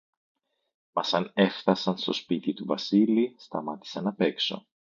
Μα σαν έφθασαν στο σπίτι του Βασίλη, σταμάτησαν απέξω